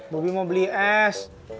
bobi mau beli es